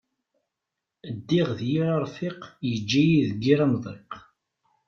Ddiɣ d yir arfiq, yeǧǧa-yi deg yir amḍiq.